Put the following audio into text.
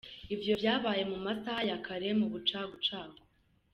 Ivyo vyabaye mu masaha ya kare mu bucagucagu.